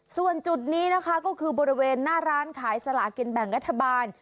ส่วนจุดนี้นะคะก็คือบริเวณหน้าร้านขายสลากินแบ่งรัฐบาล